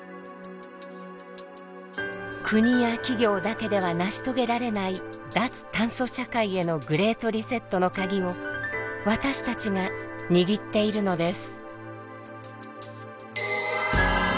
国や企業だけでは成し遂げられない脱炭素社会へのグレート・リセットのカギを私たちが握っているのです。